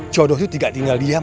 jodoh itu tidak tinggal diam